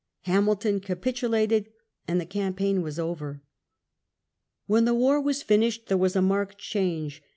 Hamilton capitulated, and the campaign was over. When the war was finished there was a marked change.